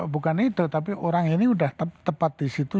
bukan itu tapi orang ini udah tepat disitu